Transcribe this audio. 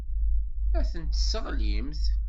Ad ten-tesseɣlimt.